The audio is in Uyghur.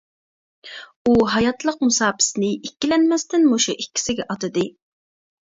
ئۇ ھاياتلىق مۇساپىسىنى ئىككىلەنمەستىن مۇشۇ ئىككىسىگە ئاتىدى.